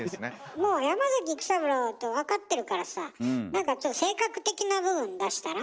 もう山崎育三郎と分かってるからさ何かちょっと性格的な部分出したら？